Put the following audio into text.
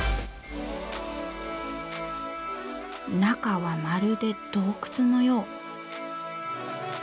中はまるで洞窟のよう。